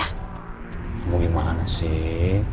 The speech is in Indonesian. kamu gimana sih